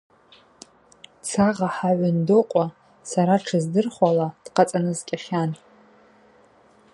Цагъа Хӏагӏвындокъва, сара дшыздырхуала, дхъацӏанаскӏьахьан.